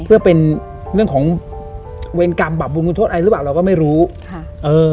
เพื่อเป็นเรื่องของเวรกรรมบาปบุญคุณโทษอะไรหรือเปล่าเราก็ไม่รู้ค่ะเออ